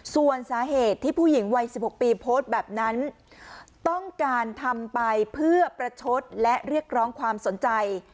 ส่วนสาเหตุที่ผู้หญิงวัย๑๖ปีโพสต์แบบนั้นต้องการทำไปเพื่อประชดและเรียกร้องความสนใจ